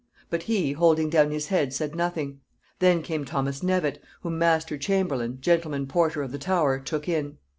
But he, holding down his head, said nothing. Then came Thomas Knevet, whom master Chamberlain, gentleman porter of the Tower, took in.